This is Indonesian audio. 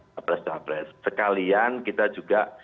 capres capres sekalian kita juga